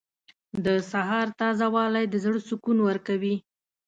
• د سهار تازه والی د زړه سکون ورکوي.